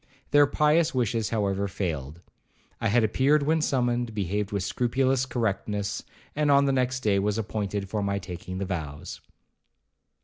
Their pious wishes, however, failed. I had appeared when summoned, behaved with scrupulous correctness, and the next day was appointed for my taking the vows.